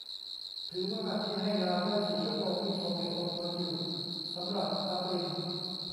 ถือว่าที่ให้ลาได้สี่ชั่วโมง นี่สมเหตุสมผลอยู่ สำหรับดับลิน